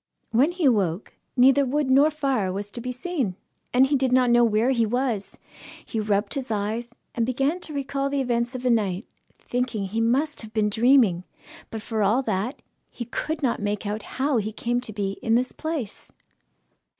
When he awoke, neither wood nor fire was to be seen, and he did not know where he was. He rubbed his eyes, and began to recall the events of the night, thinking he must have been dreaming; but for all that, he could not make out how he came to be in this place.